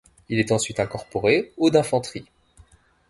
Il est ensuite incorporé au d'infanterie.